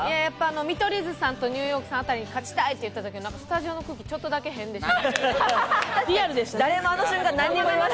見取り図さんとニューヨークさんあたりに勝ちたいって言ったとき、スタジオの空気、ちょっとだけ変でした。